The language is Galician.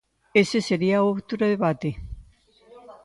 Ese sería outro debate.